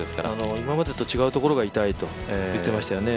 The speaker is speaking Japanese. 今までと違うところが痛いと言ってましたね。